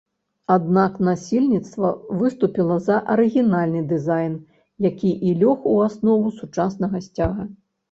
Аднак насельніцтва выступіла за арыгінальны дызайн, які і лёг у аснову сучаснага сцяга.